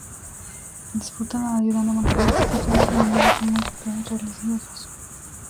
Disfrutan ayudando a mantener instituciones y a menudo son muy religiosos.